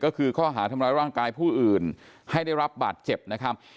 ก็คือข้อหาทำร้ายร่างกายผู้อื่นให้ได้รับบาดเจ็บนะครับ